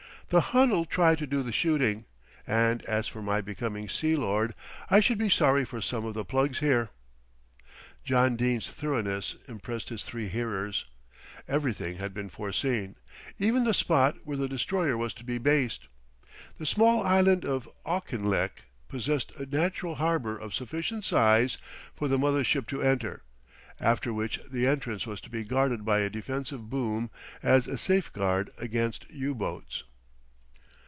"The Hun'll try to do the shooting; and as for my becoming Sea Lord, I should be sorry for some of the plugs here." John Dene's thoroughness impressed his three hearers. Everything had been foreseen, even the spot where the Destroyer was to be based. The small island of Auchinlech possessed a natural harbour of sufficient size for the mother ship to enter, after which the entrance was to be guarded by a defensive boom as a safeguard against U boats.